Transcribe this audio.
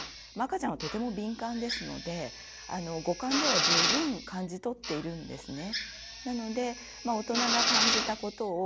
赤ちゃんはとても敏感ですので五感では十分感じ取っているんですね。